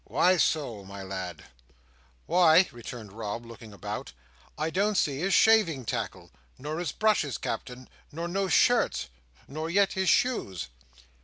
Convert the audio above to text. "Why so, my lad?" "Why," returned Rob, looking about, "I don't see his shaving tackle. Nor his brushes, Captain. Nor no shirts. Nor yet his shoes."